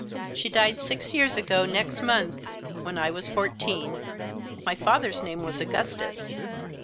She died six years ago next month, when I was fourteen. My father's name was Augustus.